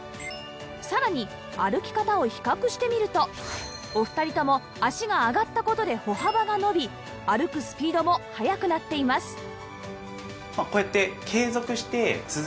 さらに歩き方を比較してみるとお二人とも脚が上がった事で歩幅が伸び歩くスピードも速くなっています